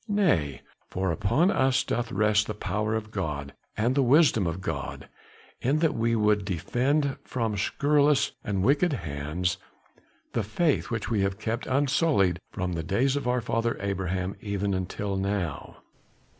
Nay, for upon us doth rest the power of God and the wisdom of God; in that we would defend from scurrilous and wicked hands the faith which we have kept unsullied from the days of our father Abraham even until now."